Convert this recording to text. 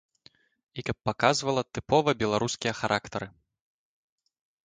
І каб паказвала тыпова беларускія характары.